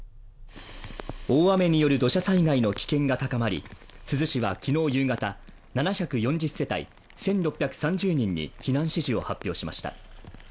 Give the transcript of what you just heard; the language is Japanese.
大雨による土砂災害の危険が高まり、珠洲市は昨日夕方７４０世帯１６３０人に避難指示を発表しました。